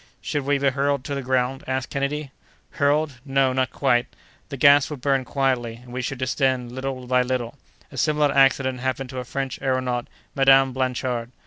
"Should we be hurled to the ground?" asked Kennedy. "Hurled! No, not quite that. The gas would burn quietly, and we should descend little by little. A similar accident happened to a French aëronaut, Madame Blanchard.